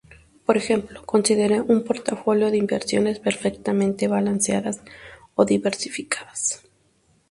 Por ejemplo, considere un portafolio de inversiones perfectamente balanceadas, o diversificadas.